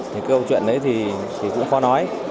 cái câu chuyện đấy thì cũng khó nói